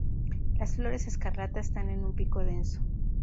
Las flores escarlata están en un pico denso.